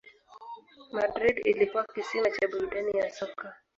Madrid ilikuwa kisima cha burudani ya soka